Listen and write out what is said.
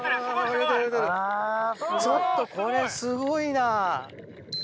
ちょっとこれすごいな。